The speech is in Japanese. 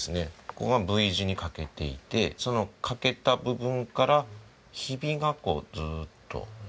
ここがＶ字に欠けていてその欠けた部分からひびがずーっとのびていた感じですね